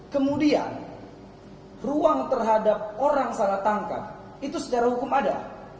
kemudian ruang terhadap orang salah tangkap itu secara hukum ada